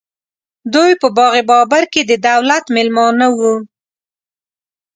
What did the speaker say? دوی په باغ بابر کې د دولت مېلمانه ول.